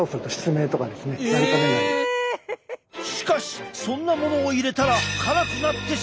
しかしそんなものを入れたら辛くなってしまうのではないか？